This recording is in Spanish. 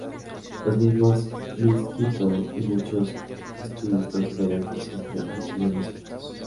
Los mismos misquitos y muchos estudiosos consideran que siempre han sido misquitos.